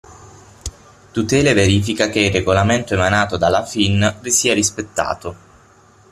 Tutela e verifica che il regolamento emanato dalla FIN sia rispettato.